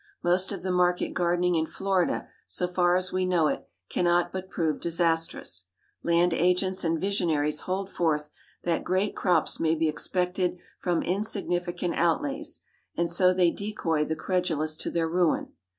Most of the market gardening in Florida, so far as we know it, cannot but prove disastrous. Land agents and visionaries hold forth that great crops may be expected from insignificant outlays; and so they decoy the credulous to their ruin.